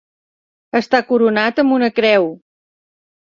Està coronat amb una creu.